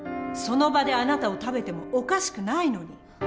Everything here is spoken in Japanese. その場であなたを食べてもおかしくないのに。